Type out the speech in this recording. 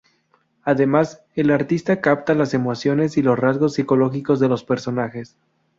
Además, el artista capta las emociones y los rasgos psicológicos de los personajes.